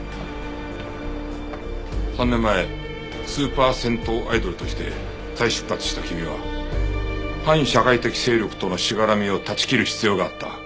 ３年前スーパー銭湯アイドルとして再出発した君は反社会的勢力とのしがらみを断ち切る必要があった。